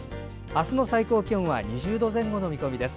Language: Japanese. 明日の最高気温は２０度前後の見込みです。